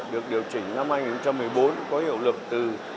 được điều chỉnh năm hai nghìn một mươi bốn có hiệu lực từ